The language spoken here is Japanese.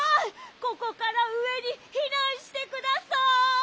ここからうえにひなんしてください！